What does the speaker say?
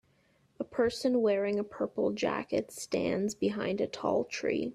A person wearing a purple jacket stands behind a tall tree.